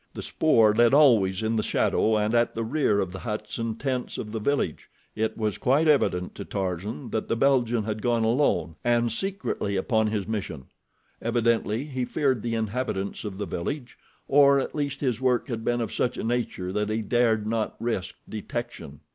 The spoor led always in the shadow and at the rear of the huts and tents of the village—it was quite evident to Tarzan that the Belgian had gone alone and secretly upon his mission. Evidently he feared the inhabitants of the village, or at least his work had been of such a nature that he dared not risk detection.